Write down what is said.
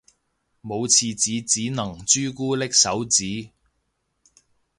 冇廁紙只能朱古力手指